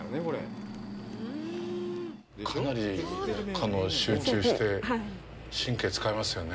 かなり集中して、神経使いますよね？